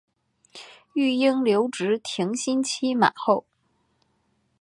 育婴留职停薪期满后